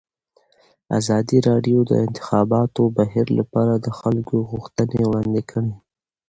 ازادي راډیو د د انتخاباتو بهیر لپاره د خلکو غوښتنې وړاندې کړي.